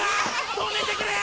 止めてくれ！